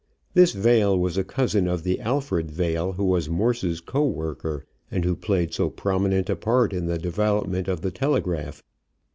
This Vail was a cousin of the Alfred Vail who was Morse's co worker, and who played so prominent a part in the development of the telegraph.